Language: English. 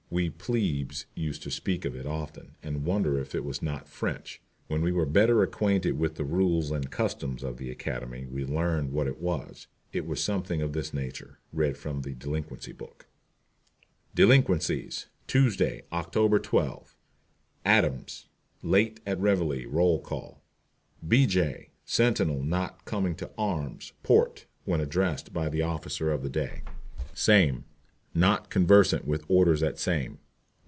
We "plebes" used to speak of it often, and wonder if it was not French. When we were better acquainted with the rules and customs of the Academy we learned what it was. It was something of this nature, read from the "Delinquency Book:" DELINQUENCIES, TUESDAY, OCT. 12. ADAMS. Late at reveille roll call. BEJAY. Sentinel not coming to "Arms, Port," when addressed by the officer of the day. SAME. Not conversant with orders at same.